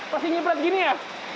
pasti ngiprat begini ya